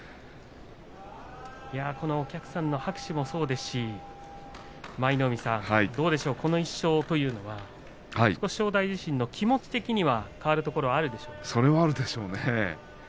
このお客さんの拍手もそうですし舞の海さん、どうでしょうこの１勝というのは少し正代自身気持ち的にはそれはあるでしょうね。